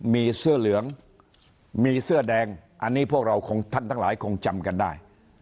มีเสื้อเหลืองมีเสื้อแดงอันนี้พวกเราคงท่านทั้งหลายคงจำกันได้